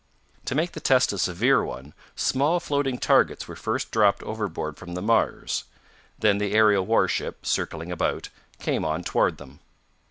To make the test a severe one, small floating targets were first dropped overboard from the Mars. Then the aerial warship, circling about, came on toward them.